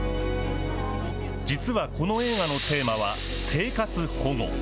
実はこの映画のテーマは生活保護。